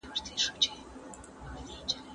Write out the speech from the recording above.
او يوې برخې هم ددواړو په نږدي والي تاكيد كړى دى